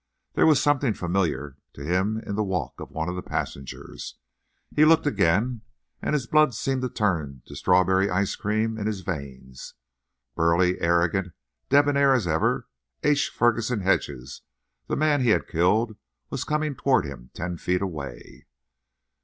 There was something familiar to him in the walk of one of the passengers. He looked again, and his blood seemed to turn to strawberry ice cream in his veins. Burly, arrogant, debonair as ever, H. Ferguson Hedges, the man he had killed, was coming toward him ten feet away.